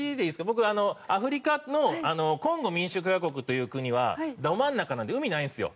僕アフリカのコンゴ民主共和国という国はど真ん中なので海ないんですよ。